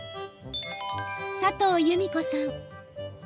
佐藤友美子さん。